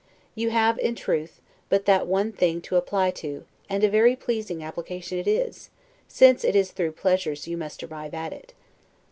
You have, in truth, but that one thing to apply to and a very pleasing application it is, since it is through pleasures you must arrive at it.